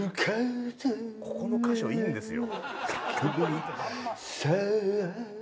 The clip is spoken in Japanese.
「ここの箇所いいんですよ」